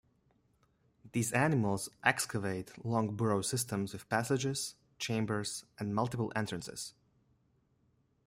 These animals excavate long burrow systems with passages, chambers and multiple entrances.